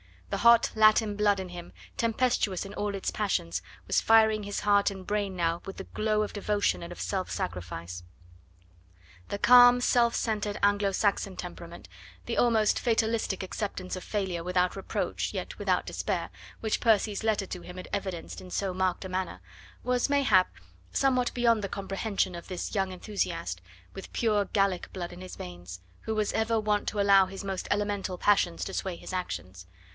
The hot Latin blood in him, tempestuous in all its passions, was firing his heart and brain now with the glow of devotion and of self sacrifice. The calm, self centred Anglo Saxon temperament the almost fatalistic acceptance of failure without reproach yet without despair, which Percy's letter to him had evidenced in so marked a manner was, mayhap, somewhat beyond the comprehension of this young enthusiast, with pure Gallic blood in his veins, who was ever wont to allow his most elemental passions to sway his actions.